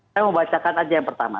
saya mau bacakan aja yang pertama